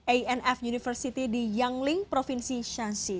anf university di yangling provinsi shansi